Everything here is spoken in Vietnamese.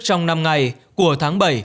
trong năm ngày của tháng bảy